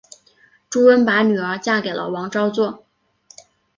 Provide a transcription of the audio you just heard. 朱温把女儿嫁给了王昭祚。